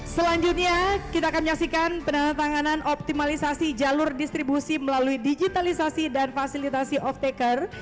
selanjutnya kita akan menyaksikan penandatanganan optimalisasi jalur distribusi melalui digitalisasi dan fasilitasi off taker